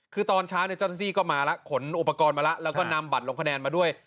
คือตอนเช้าเนี่ยเจ้าหน้าที่ก็มาแล้วขนอุปกรณ์มาแล้วแล้วก็นำบัตรลงคะแนนมาด้วย